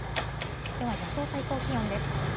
では予想最高気温です。